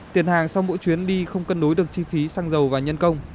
tiền hàng sau mỗi chuyến đi không cân đối được chi phí xăng dầu và nhân công